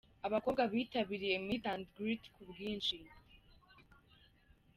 Abakobwa bitabiriye Meet and Greet ku bwinshi.